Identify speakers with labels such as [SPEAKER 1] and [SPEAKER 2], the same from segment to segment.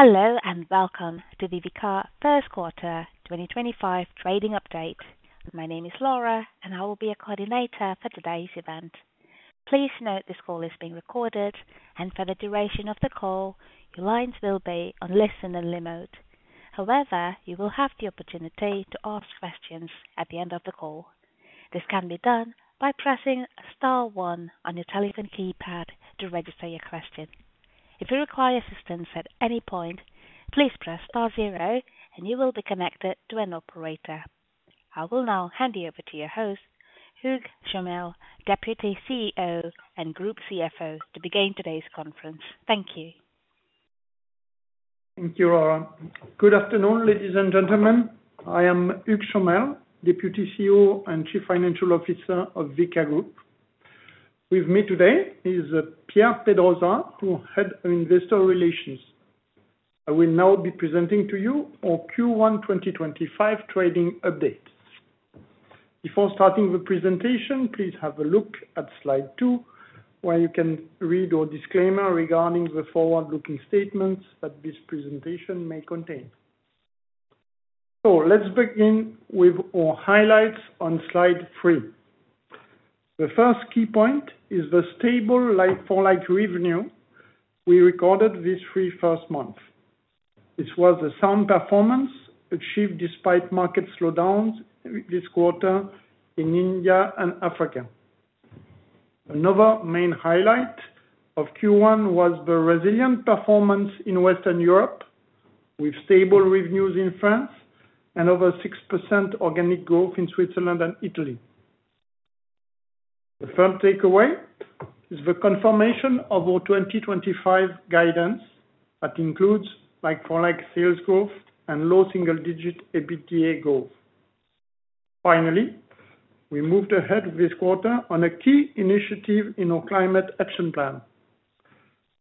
[SPEAKER 1] Hello and welcome to the Vicat first quarter 2025 trading update. My name is Laura, and I will be your coordinator for today's event. Please note this call is being recorded, and for the duration of the call, your lines will be on listen and limited. However, you will have the opportunity to ask questions at the end of the call. This can be done by pressing star one on your telephone keypad to register your question. If you require assistance at any point, please press star zero, and you will be connected to an operator. I will now hand you over to your host, Hugues Chomel, Deputy CEO and Group CFO, to begin today's conference. Thank you.
[SPEAKER 2] Thank you, Laura. Good afternoon, ladies and gentlemen. I am Hugues Chomel, Deputy CEO and Chief Financial Officer of Vicat. With me today is Pierre Pedrosa, who heads investor relations. I will now be presenting to you our Q1 2025 trading update. Before starting the presentation, please have a look at slide two, where you can read your disclaimer regarding the forward-looking statements that this presentation may contain. Let's begin with our highlights on slide three. The first key point is the stable like-for-like revenue we recorded this first three months. This was a sound performance achieved despite market slowdowns this quarter in India and Africa. Another main highlight of Q1 was the resilient performance in Western Europe, with stable revenues in France and over 6% organic growth in Switzerland and Italy. The firm takeaway is the confirmation of our 2025 guidance that includes like-for-like sales growth and low single-digit EBITDA growth. Finally, we moved ahead this quarter on a key initiative in our climate action plan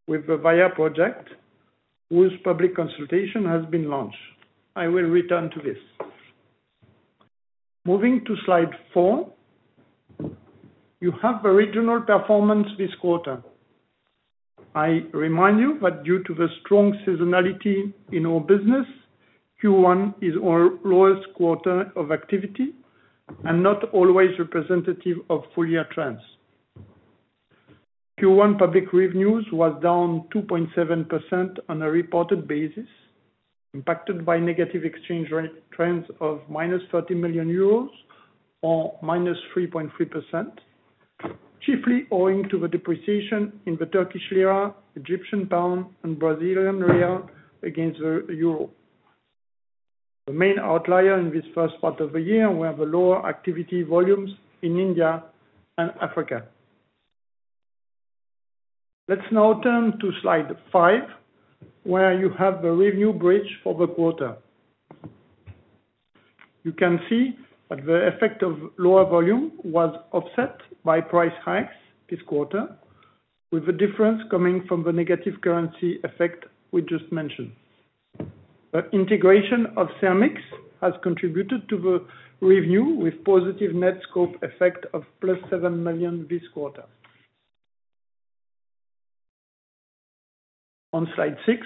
[SPEAKER 2] with the Vaya project, whose public consultation has been launched. I will return to this. Moving to slide four, you have a regional performance this quarter. I remind you that due to the strong seasonality in our business, Q1 is our lowest quarter of activity and not always representative of full year trends. Q1 public revenues was down 2.7% on a reported basis, impacted by negative exchange rate trends of minus 30 million euros or minus 3.3%, chiefly owing to the depreciation in the Turkish lira, Egyptian pound, and Brazilian real against the euro. The main outlier in this first part of the year were the lower activity volumes in India and Africa. Let's now turn to slide five, where you have the revenue bridge for the quarter. You can see that the effect of lower volume was offset by price hikes this quarter, with the difference coming from the negative currency effect we just mentioned. The integration of Cermix has contributed to the revenue with a positive net scope effect of plus 7 million this quarter. On slide six,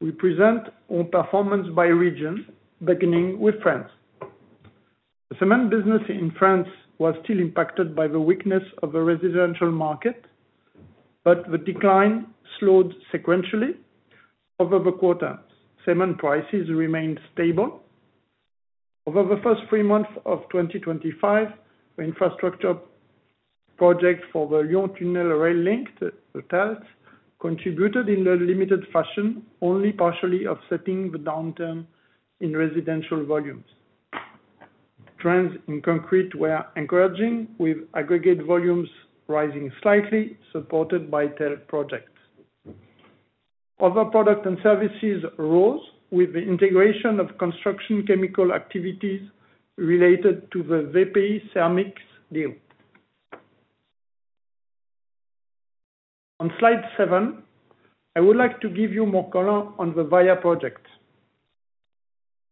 [SPEAKER 2] we present our performance by region, beginning with France. The cement business in France was still impacted by the weakness of the residential market, but the decline slowed sequentially over the quarter. Cement prices remained stable. Over the first three months of 2025, the infrastructure project for the Lyon Tunnel Rail Link, the TELT, contributed in a limited fashion, only partially offsetting the downturn in residential volumes. Trends in concrete were encouraging, with aggregate volumes rising slightly, supported by TELT projects. Other product and services rose with the integration of construction chemical activities related to the Cermix deal. On slide seven, I would like to give you more color on the Vaya project.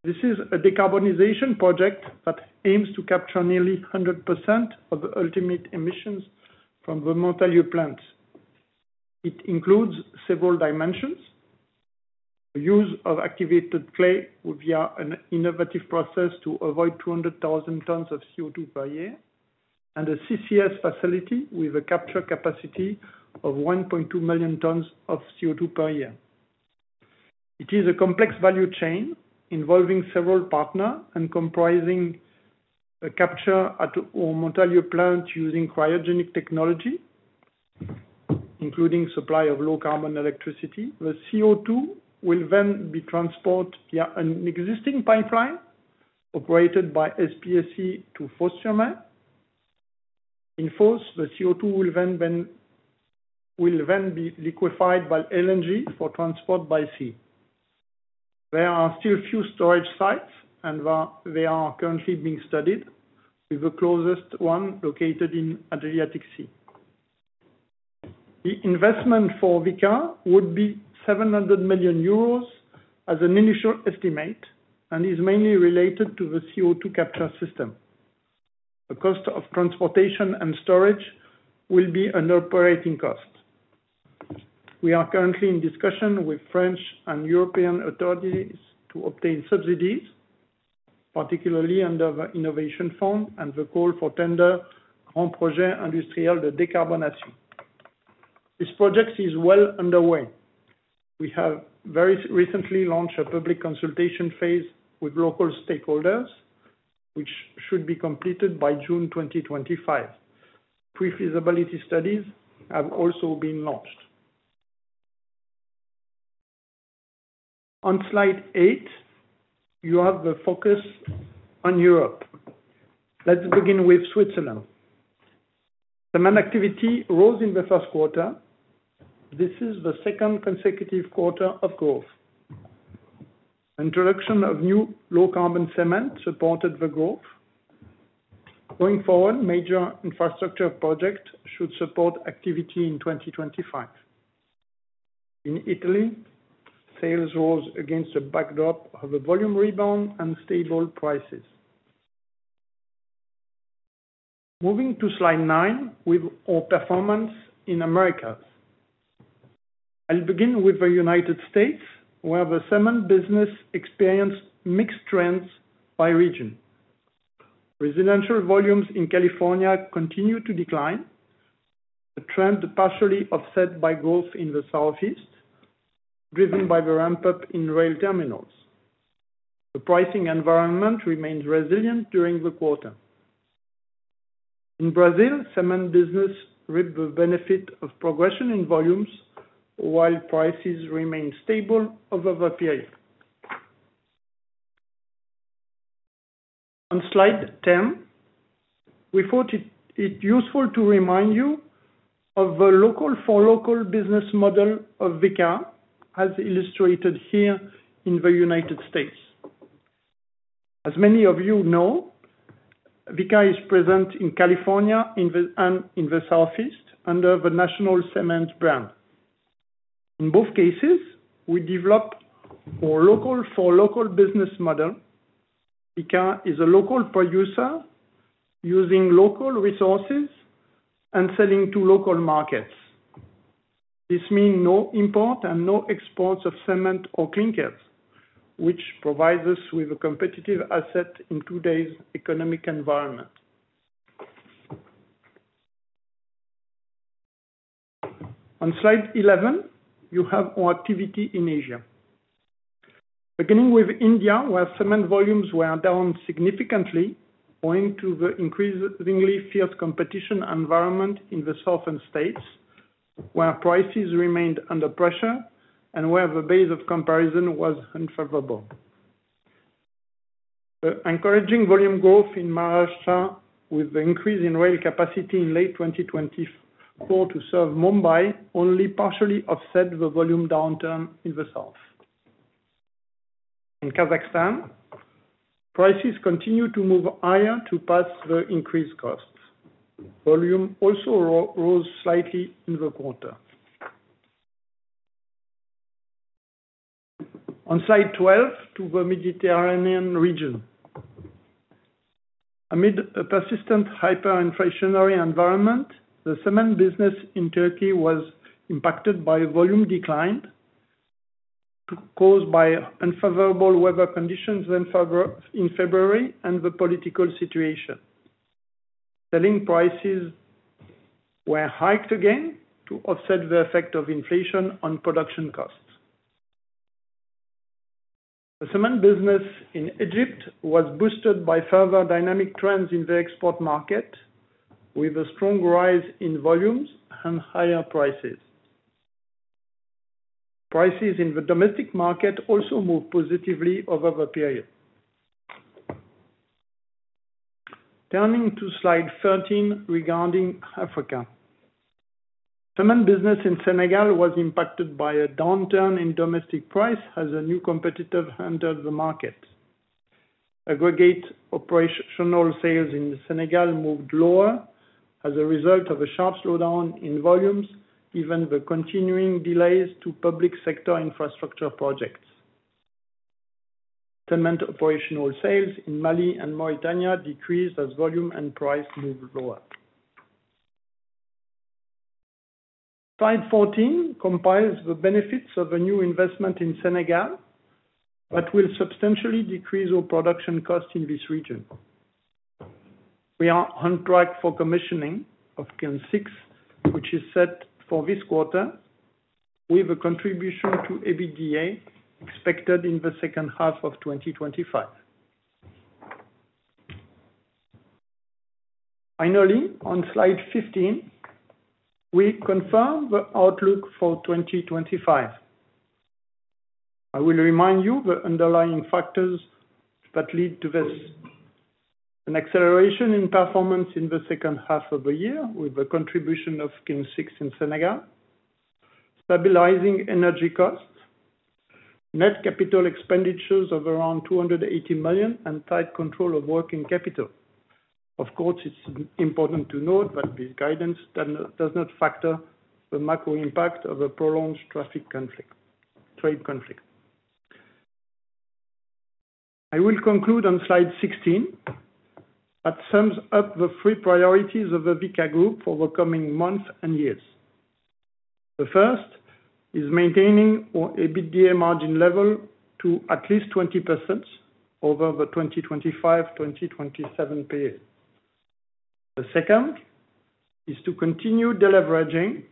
[SPEAKER 2] This is a decarbonization project that aims to capture nearly 100% of the ultimate emissions from the Montalieu plant. It includes several dimensions: the use of activated clay via an innovative process to avoid 200,000 tons of CO2 per year, and a CCS facility with a capture capacity of 1.2 million tons of CO2 per year. It is a complex value chain involving several partners and comprising a capture at our Montalieu plant using cryogenic technology, including supply of low carbon electricity. The CO2 will then be transported via an existing pipeline operated by SPSC to Fos-sur-Mer. In Fos, the CO2 will then be liquefied by LNG for transport by sea. There are still few storage sites, and they are currently being studied, with the closest one located in the Adriatic Sea. The investment for Vicat, Hugues Chomel, would be 700 million euros as an initial estimate and is mainly related to the CO2 capture system. The cost of transportation and storage will be an operating cost. We are currently in discussion with French and European authorities to obtain subsidies, particularly under the Innovation Fund and the call for tender Grand Projet Industriel de Décarbonation. This project is well underway. We have very recently launched a public consultation phase with local stakeholders, which should be completed by June 2025. Pre-feasibility studies have also been launched. On slide eight, you have the focus on Europe. Let's begin with Switzerland. Cement activity rose in the first quarter. This is the second consecutive quarter of growth. The introduction of new low carbon cement supported the growth. Going forward, major infrastructure projects should support activity in 2025. In Italy, sales rose against a backdrop of a volume rebound and stable prices. Moving to slide nine with our performance in America. I will begin with the United States, where the cement business experienced mixed trends by region. Residential volumes in California continue to decline, a trend partially offset by growth in the southeast, driven by the ramp-up in rail terminals. The pricing environment remained resilient during the quarter. In Brazil, cement business reaped the benefit of progression in volumes while prices remained stable over the period. On slide ten, we thought it useful to remind you of the local-for-local business model of Vicat, as illustrated here in the United States. As many of you know, Vicat is present in California and in the southeast under the National Cement brand. In both cases, we developed our local-for-local business model. Vicat is a local producer using local resources and selling to local markets. This means no import and no exports of cement or clinker, which provides us with a competitive asset in today's economic environment. On slide 11, you have our activity in Asia. Beginning with India, where cement volumes were down significantly, owing to the increasingly fierce competition environment in the southern states, where prices remained under pressure and where the base of comparison was unfavorable. The encouraging volume growth in Maharashtra, with the increase in rail capacity in late 2024 to serve Mumbai, only partially offset the volume downturn in the south. In Kazakhstan, prices continue to move higher to pass the increased costs. Volume also rose slightly in the quarter. On slide 12, to the Mediterranean region. Amid a persistent hyperinflationary environment, the cement business in Turkey was impacted by volume declines caused by unfavorable weather conditions in February and the political situation. Selling prices were hiked again to offset the effect of inflation on production costs. The cement business in Egypt was boosted by further dynamic trends in the export market, with a strong rise in volumes and higher prices. Prices in the domestic market also moved positively over the period. Turning to slide 13 regarding Africa. Cement business in Senegal was impacted by a downturn in domestic price as a new competitor entered the market. Aggregate operational sales in Senegal moved lower as a result of a sharp slowdown in volumes, given the continuing delays to public sector infrastructure projects. Cement operational sales in Mali and Mauritania decreased as volume and price moved lower. Slide 14 compiles the benefits of a new investment in Senegal that will substantially decrease our production costs in this region. We are on track for commissioning of CAN6, which is set for this quarter, with a contribution to EBITDA expected in the second half of 2025. Finally, on slide 15, we confirm the outlook for 2025. I will remind you of the underlying factors that lead to this: an acceleration in performance in the second half of the year with the contribution of CAN6 in Senegal, stabilizing energy costs, net capital expenditures of around 280 million, and tight control of working capital. Of course, it's important to note that this guidance does not factor the macro impact of a prolonged trade conflict. I will conclude on slide 16 that sums up the three priorities of the Vicat Hugues Chomel for the coming months and years. The first is maintaining our EBITDA margin level to at least 20% over the 2025-2027 period. The second is to continue deleveraging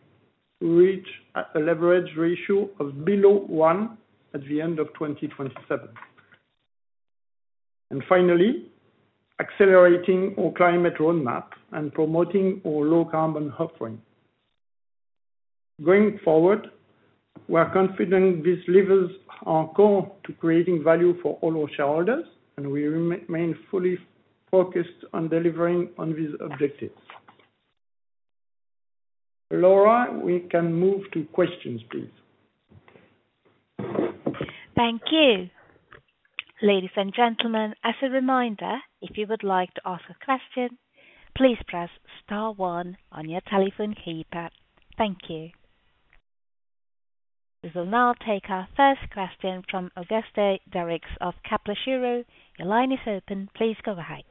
[SPEAKER 2] to reach a leverage ratio of below one at the end of 2027. Finally, accelerating our climate roadmap and promoting our low carbon hub frame. Going forward, we're confident this levers our call to creating value for all our shareholders, and we remain fully focused on delivering on these objectives. Laura, we can move to questions, please.
[SPEAKER 1] Thank you. Ladies and gentlemen, as a reminder, if you would like to ask a question, please press star one on your telephone keypad. Thank you. We will now take our first question from Auguste Derricks of Kepler Cheuvreux. Your line is open. Please go ahead.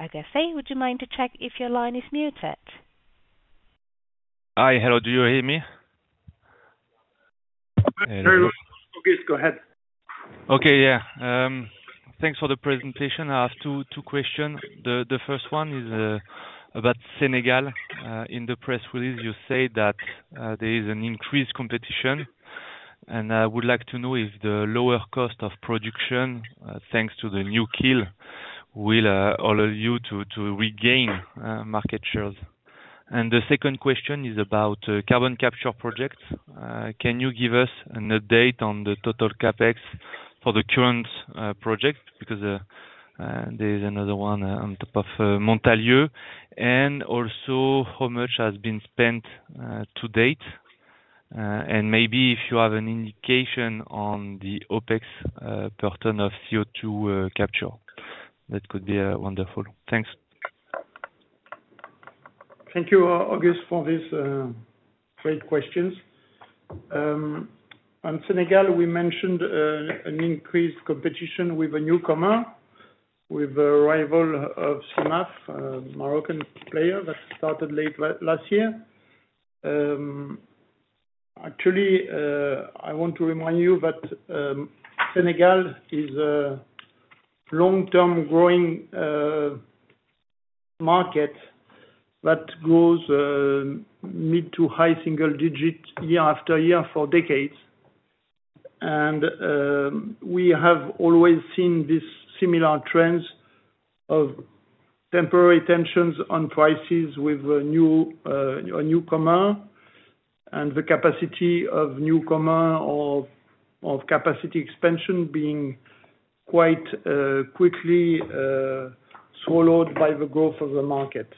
[SPEAKER 1] Auguste, would you mind to check if your line is muted?
[SPEAKER 3] Hi, hello. Do you hear me?
[SPEAKER 2] Very well. Auguste, go ahead.
[SPEAKER 3] Okay, yeah. Thanks for the presentation. I have two questions. The first one is about Senegal. In the press release, you say that there is an increased competition, and I would like to know if the lower cost of production, thanks to the new kiln, will allow you to regain market shares. The second question is about carbon capture projects. Can you give us an update on the total CapEx for the current project? Because there is another one on top of Montalieu. Also, how much has been spent to date? Maybe if you have an indication on the OpEx per ton of CO2 capture, that could be wonderful. Thanks.
[SPEAKER 2] Thank you, Auguste, for these great questions. On Senegal, we mentioned an increased competition with a newcomer, with the arrival of CIMAF, a Moroccan player that started late last year. Actually, I want to remind you that Senegal is a long-term growing market that grows mid to high single digit year after year for decades. We have always seen these similar trends of temporary tensions on prices with a newcomer and the capacity of newcomer or capacity expansion being quite quickly swallowed by the growth of the market.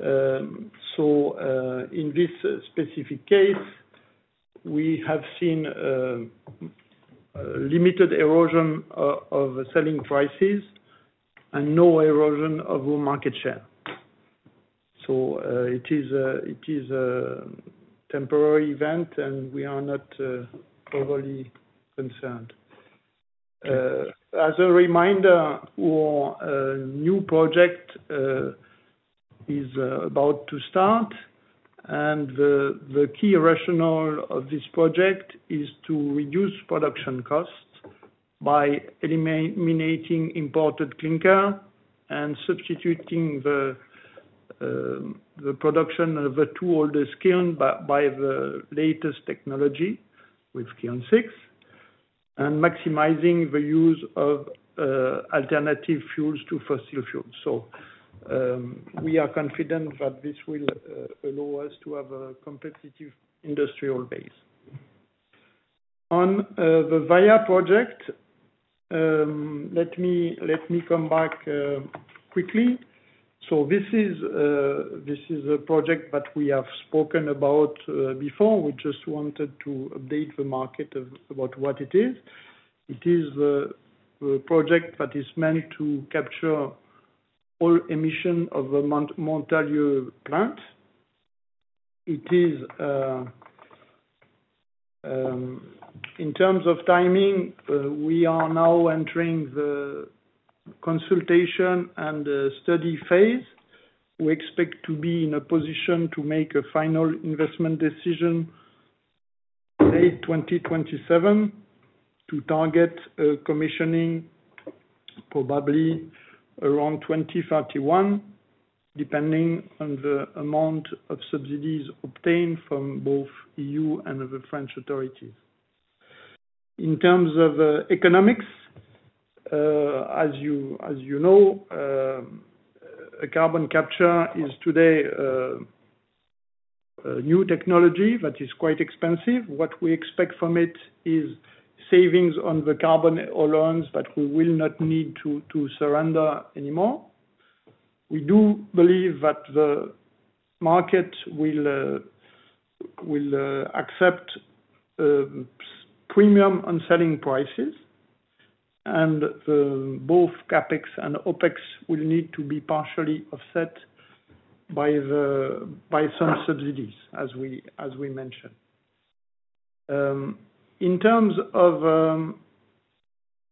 [SPEAKER 2] In this specific case, we have seen limited erosion of selling prices and no erosion of our market share. It is a temporary event, and we are not overly concerned. As a reminder, our new project is about to start, and the key rationale of this project is to reduce production costs by eliminating imported clinker and substituting the production of the two oldest kilns by the latest technology with CAN6 and maximizing the use of alternative fuels to fossil fuels. We are confident that this will allow us to have a competitive industrial base. On the Vaya project, let me come back quickly. This is a project that we have spoken about before. We just wanted to update the market about what it is. It is a project that is meant to capture all emissions of the Montalieu plant. In terms of timing, we are now entering the consultation and the study phase. We expect to be in a position to make a final investment decision late 2027 to target commissioning probably around 2031, depending on the amount of subsidies obtained from both EU and the French authorities. In terms of economics, as you know, carbon capture is today a new technology that is quite expensive. What we expect from it is savings on the carbon allowance that we will not need to surrender anymore. We do believe that the market will accept premium on selling prices, and both Capex and Opex will need to be partially offset by some subsidies, as we mentioned. In terms of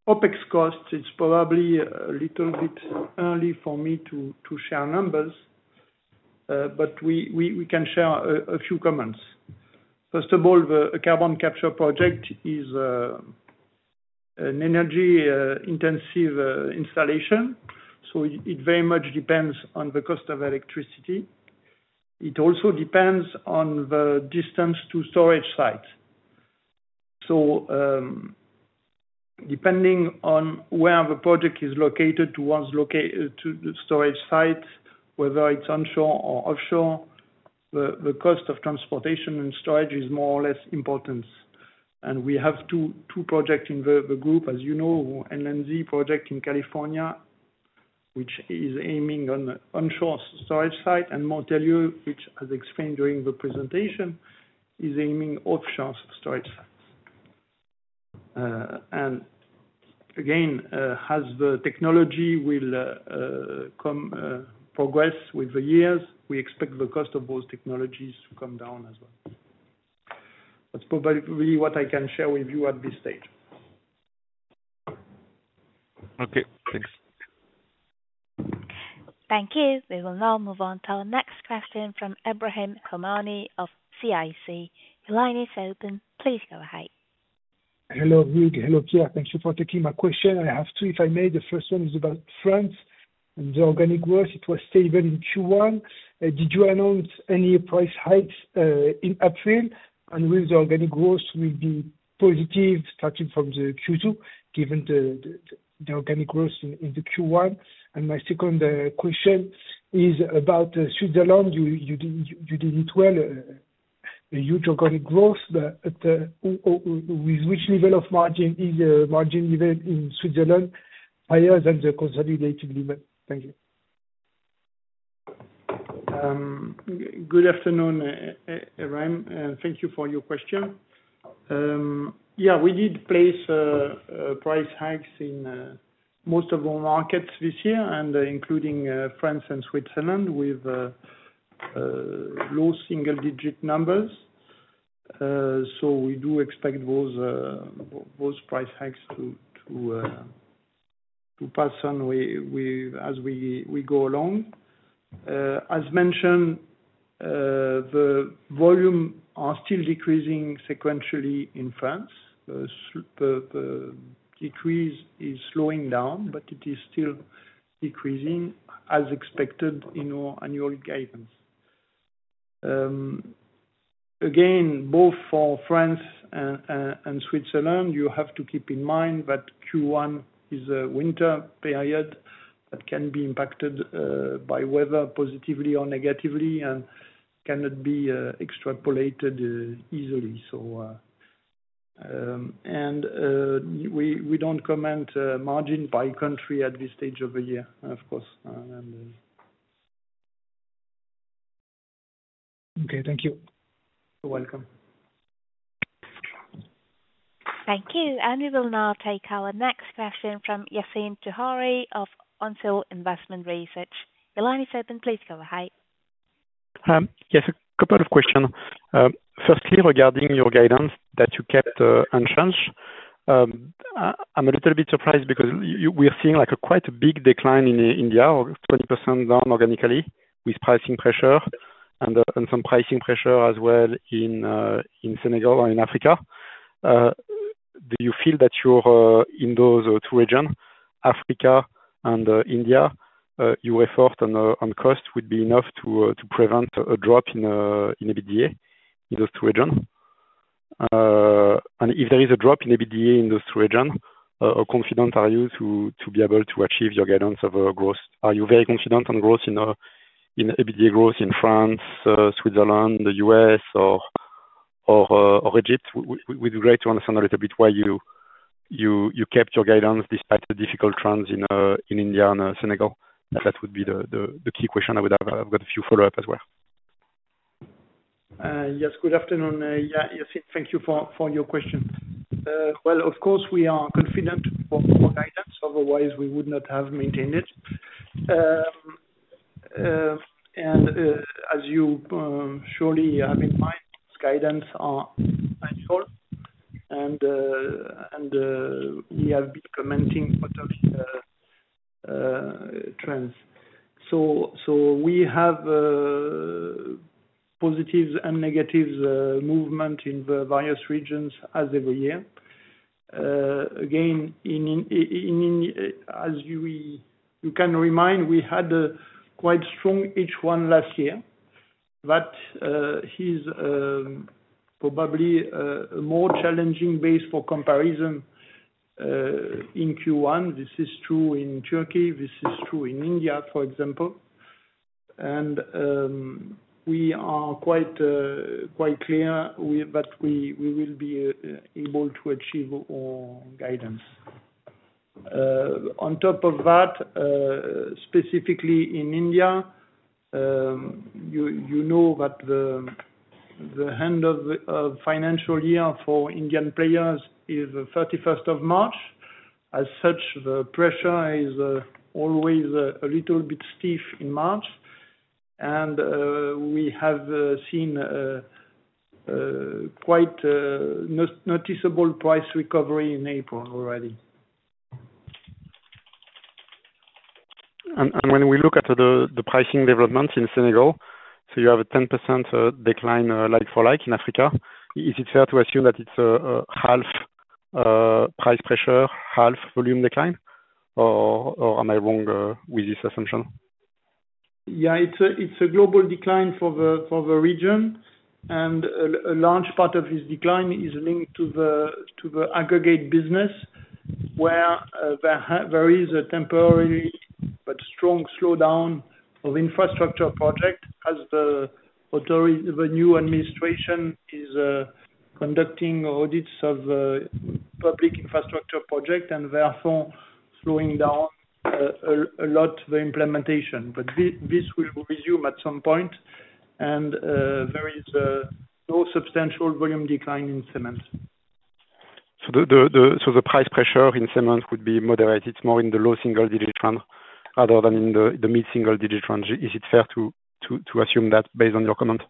[SPEAKER 2] Opex costs, it's probably a little bit early for me to share numbers, but we can share a few comments. First of all, the carbon capture project is an energy-intensive installation, so it very much depends on the cost of electricity. It also depends on the distance to storage sites. Depending on where the project is located towards the storage site, whether it's onshore or offshore, the cost of transportation and storage is more or less important. We have two projects in the group, as you know, NNZ project in California, which is aiming on onshore storage site, and Montalieu, which, as explained during the presentation, is aiming offshore storage sites. Again, as the technology will progress with the years, we expect the cost of those technologies to come down as well. That is probably what I can share with you at this stage. Okay, thanks.
[SPEAKER 1] Thank you. We will now move on to our next question from Ebrahim Khomani of CIC. Your line is open. Please go ahead.
[SPEAKER 4] Hello, Auguste. Hello, Pierre. Thank you for taking my question. I have two, if I may. The first one is about France and the organic growth. It was stated in Q1. Did you announce any price hikes in April? Will the organic growth be positive starting from Q2, given the organic growth in Q1? My second question is about Switzerland. You did it well, a huge organic growth. With which level of margin is the margin level in Switzerland higher than the consolidated level? Thank you.
[SPEAKER 2] Good afternoon, Ebrahim. Thank you for your question. Yeah, we did place price hikes in most of our markets this year, including France and Switzerland, with low single-digit numbers. We do expect those price hikes to pass on as we go along. As mentioned, the volumes are still decreasing sequentially in France. The decrease is slowing down, but it is still decreasing, as expected in our annual guidance. Again, both for France and Switzerland, you have to keep in mind that Q1 is a winter period that can be impacted by weather, positively or negatively, and cannot be extrapolated easily. We do not comment on margin by country at this stage of the year, of course.
[SPEAKER 4] Okay, thank you.
[SPEAKER 2] You're welcome.
[SPEAKER 1] Thank you. We will now take our next question from Yassine Touahri of On Field Investment Research. Your line is open. Please go ahead.
[SPEAKER 5] Yes, a couple of questions. Firstly, regarding your guidance that you kept unchanged, I'm a little bit surprised because we're seeing quite a big decline in India, 20% down organically, with pricing pressure and some pricing pressure as well in Senegal or in Africa. Do you feel that in those two regions, Africa and India, your effort on cost would be enough to prevent a drop in EBITDA in those two regions? If there is a drop in EBITDA in those two regions, how confident are you to be able to achieve your guidance of growth? Are you very confident on growth in EBITDA growth in France, Switzerland, the U.S., or Egypt? It would be great to understand a little bit why you kept your guidance despite the difficult trends in India and Senegal. That would be the key question I would have. I've got a few follow-ups as well.
[SPEAKER 2] Yes, good afternoon. Yassine, thank you for your question. Of course, we are confident on our guidance. Otherwise, we would not have maintained it. As you surely have in mind, guidance are annual, and we have been commenting on the trends. We have positive and negative movements in various regions as every year. As you can remind, we had quite strong H1 last year, but it is probably a more challenging base for comparison in Q1. This is true in Turkey. This is true in India, for example. We are quite clear that we will be able to achieve our guidance. On top of that, specifically in India, you know that the end of the financial year for Indian players is the 31st of March. As such, the pressure is always a little bit stiff in March. We have seen quite a noticeable price recovery in April already. When we look at the pricing developments in Senegal, you have a 10% decline like-for-like in Africa. Is it fair to assume that it is half price pressure, half volume decline, or am I wrong with this assumption? Yeah, it is a global decline for the region. A large part of this decline is linked to the aggregates business, where there is a temporary but strong slowdown of infrastructure projects as the new administration is conducting audits of public infrastructure projects and therefore slowing down a lot the implementation. This will resume at some point, and there is no substantial volume decline in cement.
[SPEAKER 5] The price pressure in cement would be moderated, more in the low single-digit trend rather than in the mid-single-digit trend. Is it fair to assume that based on your comment?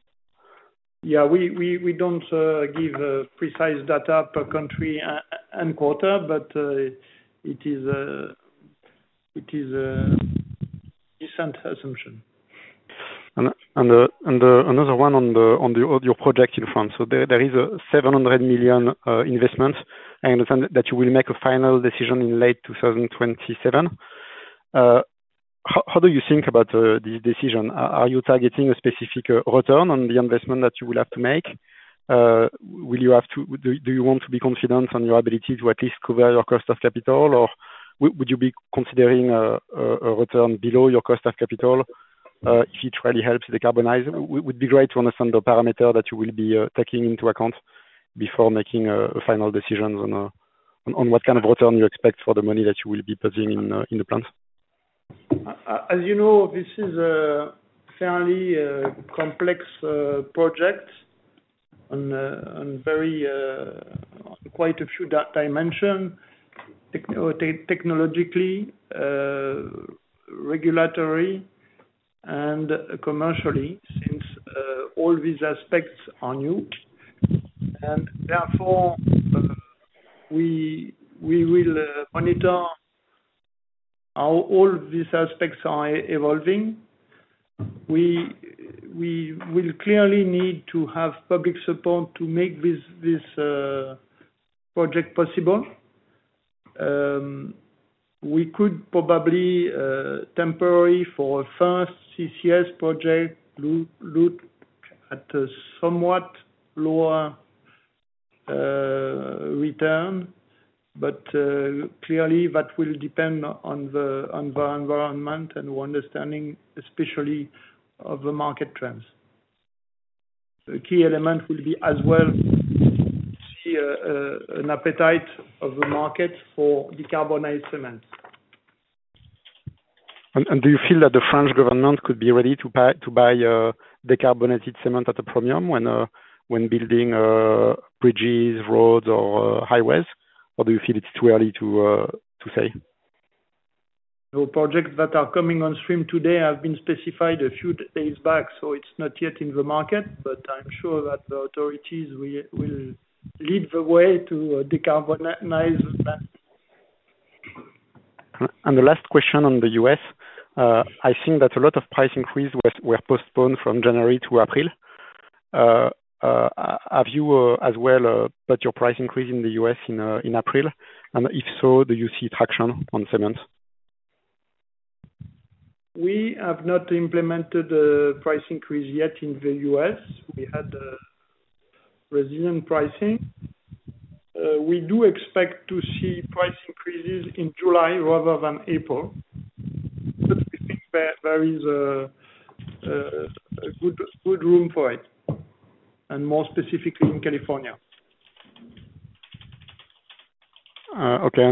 [SPEAKER 2] Yeah, we don't give precise data per country and quarter, but it is a decent assumption.
[SPEAKER 5] Another one on your project in France. There is a 700 million investment. I understand that you will make a final decision in late 2027. How do you think about this decision? Are you targeting a specific return on the investment that you will have to make? Will you have to, do you want to be confident on your ability to at least cover your cost of capital? Or would you be considering a return below your cost of capital if it really helps decarbonize? It would be great to understand the parameter that you will be taking into account before making final decisions on what kind of return you expect for the money that you will be putting in the plant.
[SPEAKER 2] As you know, this is a fairly complex project on quite a few dimensions: technologically, regulatory, and commercially, since all these aspects are new. Therefore, we will monitor how all these aspects are evolving. We will clearly need to have public support to make this project possible. We could probably temporarily, for a first CCS project, look at a somewhat lower return, but clearly, that will depend on the environment and our understanding, especially of the market trends. The key element will be as well to see an appetite of the market for decarbonized cement.
[SPEAKER 5] Do you feel that the French government could be ready to buy decarbonated cement at a premium when building bridges, roads, or highways? Do you feel it's too early to say?
[SPEAKER 2] The projects that are coming on stream today have been specified a few days back, so it's not yet in the market, but I'm sure that the authorities will lead the way to decarbonize them. The last question on the U.S. I think that a lot of price increases were postponed from January to April.
[SPEAKER 5] Have you as well put your price increase in the U.S. in April? If so, do you see traction on cement?
[SPEAKER 2] We have not implemented the price increase yet in the U.S. We had resilient pricing. We do expect to see price increases in July rather than April, but we think there is good room for it, and more specifically in California.
[SPEAKER 5] Okay,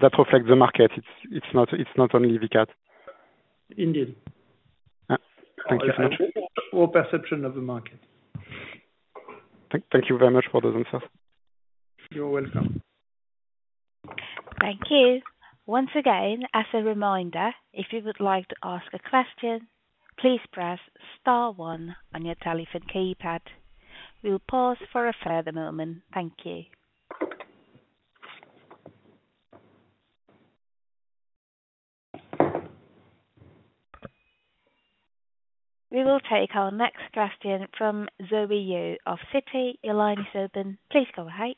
[SPEAKER 5] that reflects the market. It's not only Vicat.
[SPEAKER 2] Indeed.
[SPEAKER 5] Thank you so much.
[SPEAKER 2] Our perception of the market.
[SPEAKER 5] Thank you very much for those answers.
[SPEAKER 2] You're welcome.
[SPEAKER 1] Thank you. Once again, as a reminder, if you would like to ask a question, please press star one on your telephone keypad. We'll pause for a further moment. Thank you. We will take our next question from Zoe Yu of Citi. Your line is open. Please go ahead.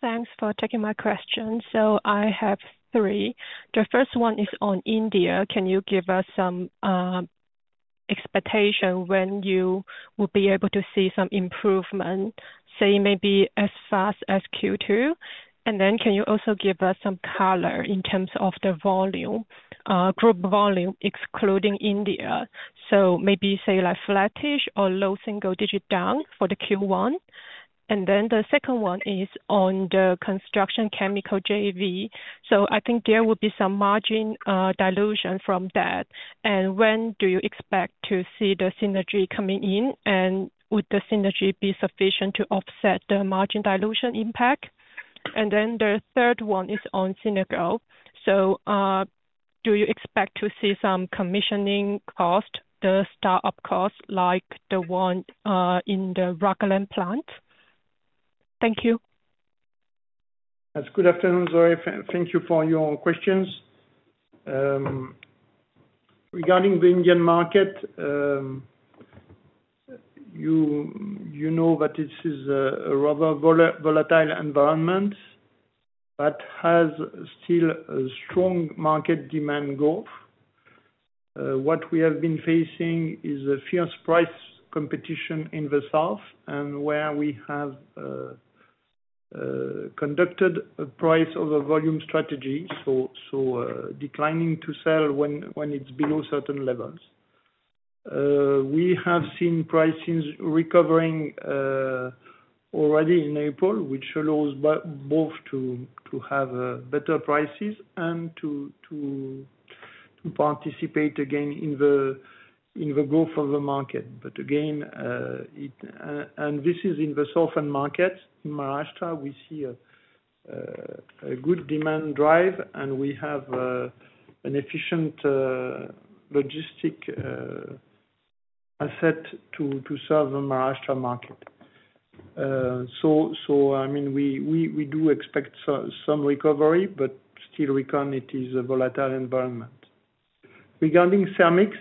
[SPEAKER 6] Thanks for taking my question. I have three. The first one is on India. Can you give us some expectation when you will be able to see some improvement, say maybe as fast as Q2? Can you also give us some color in terms of the volume, group volume, excluding India? Maybe say like flattish or low single-digit down for the Q1. The second one is on the construction chemical JV. I think there will be some margin dilution from that. When do you expect to see the synergy coming in? Would the synergy be sufficient to offset the margin dilution impact? The third one is on Senegal. Do you expect to see some commissioning cost, the start-up cost, like the one in the Rockland plant? Thank you.
[SPEAKER 2] Good afternoon, Zoe. Thank you for your questions. Regarding the Indian market, you know that this is a rather volatile environment that has still a strong market demand growth. What we have been facing is a fierce price competition in the south, and where we have conducted a price over volume strategy, declining to sell when it is below certain levels. We have seen pricings recovering already in April, which allows both to have better prices and to participate again in the growth of the market. Again, this is in the southern markets. In Maharashtra, we see a good demand drive, and we have an efficient logistic asset to serve the Maharashtra market. I mean, we do expect some recovery, but still, recon, it is a volatile environment. Regarding CERMIX,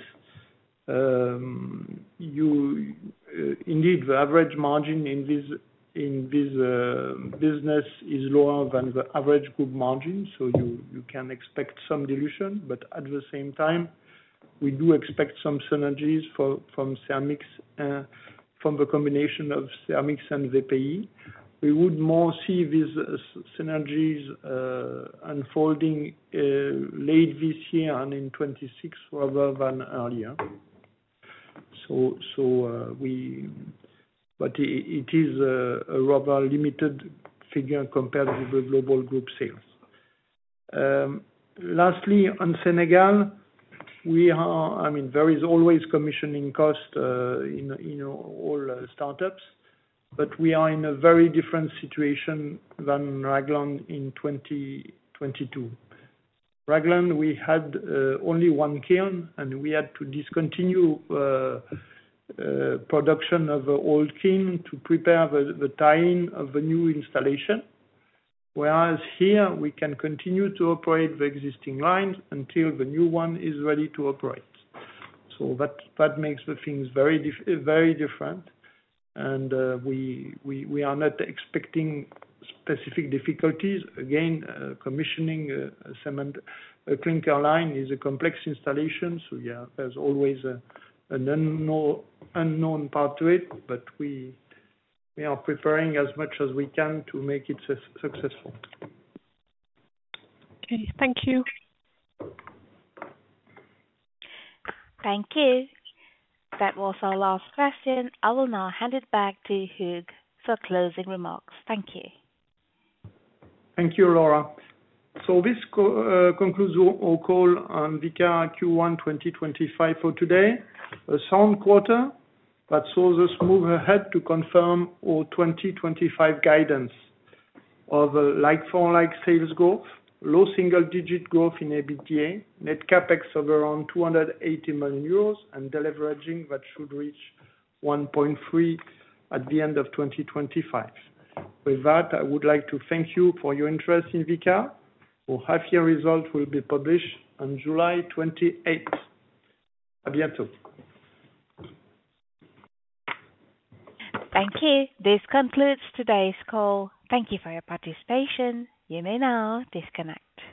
[SPEAKER 2] indeed, the average margin in this business is lower than the average group margin, so you can expect some dilution. At the same time, we do expect some synergies from the combination of CERMIX and VPE. We would more see these synergies unfolding late this year and in 2026 rather than earlier. It is a rather limited figure compared with the global group sales. Lastly, on Senegal, I mean, there is always commissioning cost in all startups, but we are in a very different situation than Ragland in 2022. Ragland, we had only one kiln, and we had to discontinue production of the old kiln to prepare the tying of the new installation. Whereas here, we can continue to operate the existing lines until the new one is ready to operate. That makes things very different. We are not expecting specific difficulties. Again, commissioning a clinker line is a complex installation, so there is always an unknown part to it, but we are preparing as much as we can to make it successful.
[SPEAKER 6] Okay. Thank you.
[SPEAKER 1] Thank you. That was our last question. I will now hand it back to Hugues for closing remarks. Thank you.
[SPEAKER 2] Thank you, Laura. This concludes our call on Vicat HQ1 2025 for today. A sound quarter, but so does move ahead to confirm our 2025 guidance of like-for-like sales growth, low single-digit growth in EBITDA, net Capex of around 280 million euros, and deleveraging that should reach 1.3 at the end of 2025. With that, I would like to thank you for your interest in Vicat. Our half-year result will be published on July 28th. À bientôt.
[SPEAKER 1] Thank you. This concludes today's call. Thank you for your participation. You may now disconnect.